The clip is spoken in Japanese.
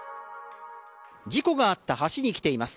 事故があった橋に来ています。